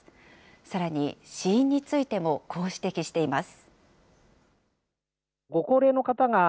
さらに、死因についてもこう指摘しています。